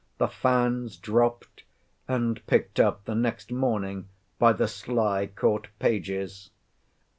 The fans dropt, and picked up the next morning by the sly court pages!